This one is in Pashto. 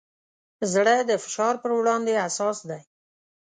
زړه د فشار پر وړاندې حساس دی.